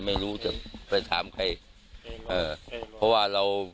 สอนตอนลูกตายนะใหม่นะ